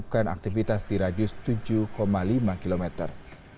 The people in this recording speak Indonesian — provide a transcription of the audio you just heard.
melakukan aktivitas di radius tujuh lima kilometer